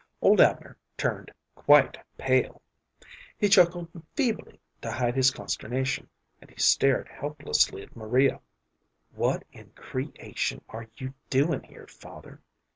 Old Abner turned quite pale. He chuckled feebly to hide his consternation, and he stared helplessly at Maria. "What in creation are you doing here, father?"